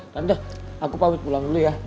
tante aku pamit pulang dulu ya